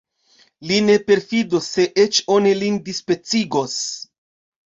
Li ne perfidos, se eĉ oni lin dispecigos!